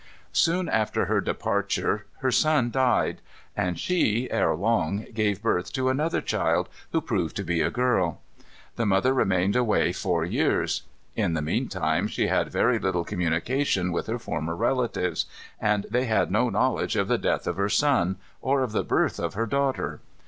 Soon after her departure her son died; and she, ere long, gave birth to another child, who proved to be a girl. The mother remained away four years. In the mean time she had very little communication with her former relatives; and they had no knowledge of the death of her son, or of the birth of her daughter.